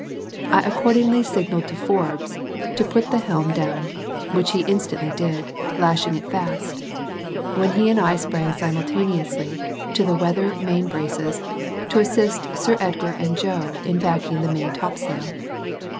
I accordingly signed to Forbes to put the helm down; which he instantly did, lashing it fast; when he and I sprang simultaneously to the weather main braces, to assist Sir Edgar and Joe in backing the main topsail.